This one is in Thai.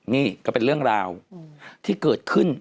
นี่ก็เป็นเรื่องราวที่เกิดขึ้น